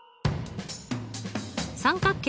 三角形